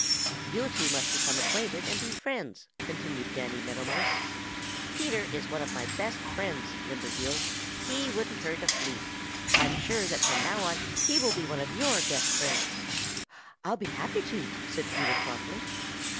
"You two must become acquainted and be friends," continued Danny Meadow Mouse. "Peter is one of my best friends, Limberheels. He wouldn't hurt a flea. I'm sure that from now on he will be one of your best friends." "I'll be happy to," said Peter promptly.